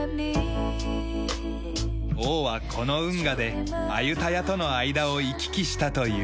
王はこの運河でアユタヤとの間を行き来したという。